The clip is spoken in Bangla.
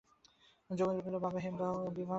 যোগেন্দ্র কহিল, বাবা, হেম বিবাহ করিতে সম্মত হইয়াছে।